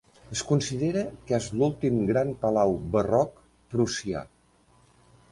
Es considera que és l'últim gran palau barroc prussià.